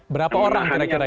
berapa orang kira kira